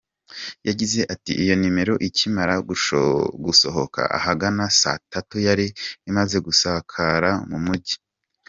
Yagize ati “Iyo nimero ikimara gusohoka ahagana saa tatu yari imaze gusakara mu Mujyi.